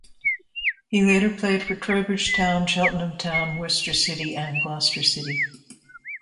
He later played for Trowbridge Town, Cheltenham Town, Worcester City and Gloucester City.